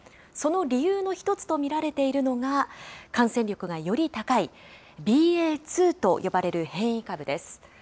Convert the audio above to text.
その理由の一つと見られているのが、感染力がより高い、ＢＡ．２と呼ばれる変異株です。